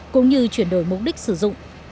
cũng như chuyển đổi mục đích sử dụng